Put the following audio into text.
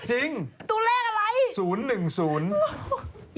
จริงตัวเลขอะไร๐๑๐